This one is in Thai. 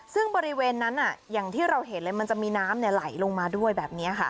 ซึ่งบริเวณนั้นอย่างที่เราเห็นเลยมันจะมีน้ำไหลลงมาด้วยแบบนี้ค่ะ